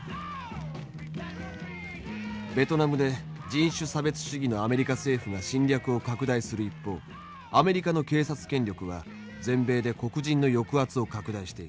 「ベトナムで人権差別主義のアメリカ政府が侵略を拡大する一方アメリカの警察権力は全米で黒人の抑圧を拡大している。